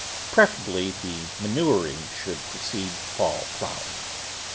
Preferably the manur ing should precede faU ploughing.